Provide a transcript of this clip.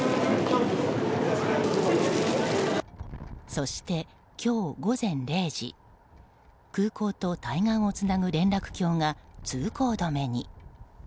そして今日午前０時空港と対岸をつなぐ連絡橋が通行止めに。